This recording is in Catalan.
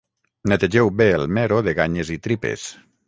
Netegeu bé el mero de ganyes i tripes